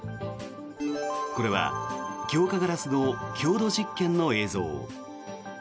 これは強化ガラスの強度実験の映像。